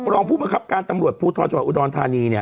ลองพูดมาครับการตำรวจภูทอชวะอุดรณฑานีเนี่ย